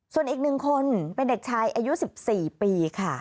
ส่วนอีก๑คนเป็นเด็กชายอายุ๑๔ปีค่ะ